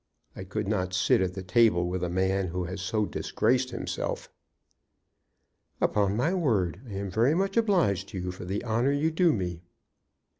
I could not sit at the table with a man who has so disgraced himself." "Upon my word I am very much obliged to you for the honor you do me."